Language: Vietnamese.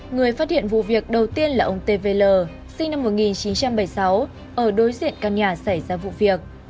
người phát hiện vụ việc đầu tiên là ông tvl sinh năm một nghìn chín trăm bảy mươi sáu ở đối diện căn nhà xảy ra vụ việc